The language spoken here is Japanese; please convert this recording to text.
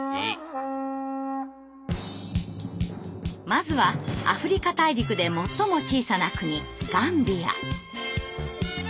まずはアフリカ大陸で最も小さな国ガンビア。